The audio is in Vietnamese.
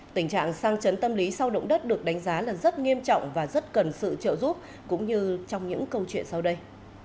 tình trạng sang chấn tâm lý sau động đất được đánh giá là rất nghiêm trọng và rất cần sự trợ giúp cũng như trong những câu chuyện sau đây